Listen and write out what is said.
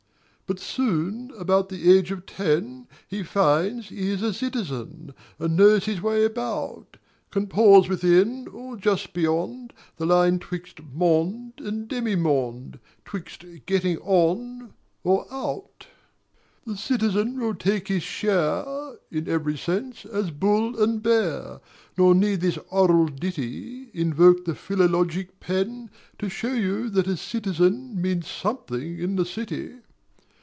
But soon, about the age of ten, He finds he is a Citizen, And knows his way about; Can pause within, or just beyond, The line 'twixt Mond and Demi Mond, 'Twixt Getting On—or Out. The Citizen will take his share (In every sense) as bull and bear; Nor need this oral ditty Invoke the philologic pen To show you that a Citizen Means Something in the City.